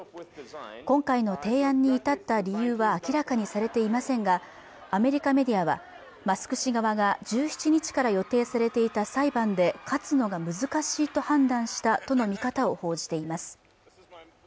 今回の提案に至った理由は明らかにされていませんがアメリカメディアはマスク氏側が１７日から予定されていた裁判で勝つのが難しいと判断したとの見方を報じています